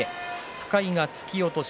深井が突き落とし。